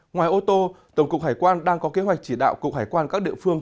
ngoài ô tô tổng cục hải quan đang có kế hoạch chỉ đạo cục hải quan các địa phương